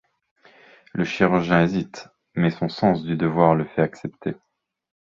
Le chirurgien hésite, mais son sens du devoir le fait accepter.